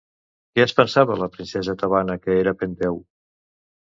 Què es pensava la princesa tebana que era Penteu?